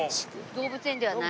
動物園ではない？